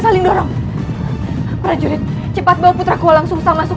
sampai jumpa di video selanjutnya